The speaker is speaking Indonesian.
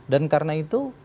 dan karena itu